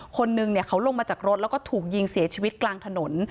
คนนึงเขาลงมาจากรถแล้วก็ถูกยิงเสียชีวิตกลางถนน